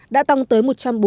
đã tăng tới một trăm bốn mươi ba